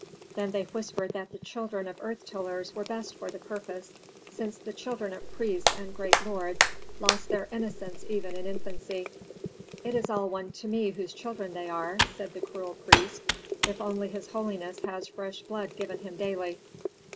Then they whispered that the children of earth tillers were best for the purpose, since the children of priests and great lords lost their innocence even in infancy. "It is all one to me whose children they are," said the cruel priest, "if only his holiness has fresh blood given him daily."